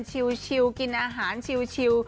ชิวกินอาหารชิว